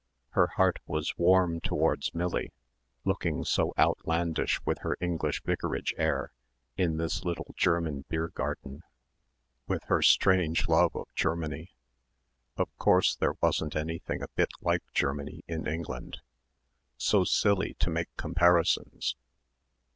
Her heart was warm towards Millie, looking so outlandish with her English vicarage air in this little German beer garden, with her strange love of Germany. Of course there wasn't anything a bit like Germany in England.... So silly to make comparisons.